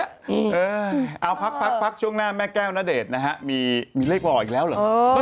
เออเอาพักพักพักช่วงหน้าแม่แก้วณเดชต์นะคะมีละอย่างอื่นแล้วหรือ